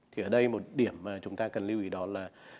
thì ở đây một điểm mà chúng ta cần lưu ý đó là